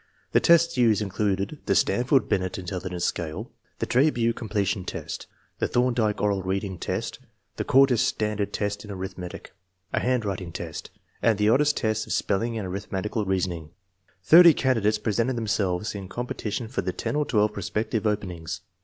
The tests used included the Stanford Binet in telligence scale, the Trabue Completion Test, the Thorndike Oral Reading Test, the Courtis Standard Test in arithmetic, a handwriting test, and the Otis tests of spelling and arithmetical reasoning. Thirty candidates presented themselves in competi tion for the ten or twelve prospective openings.